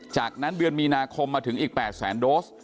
จากนั้นเดือนมีนาคมมาถึงอีก๘แสนโดส